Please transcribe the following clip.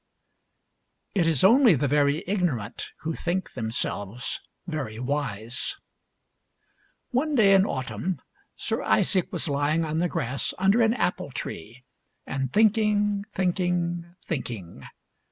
It is only the very ignorant who think themselves very wise. One day in autumn Sir Isaac was lying on the grass under an apple tree and thinking, thinking, thinking.